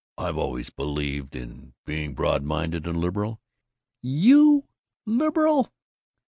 I've always believed in being broad minded and liberal " "You? Liberal?"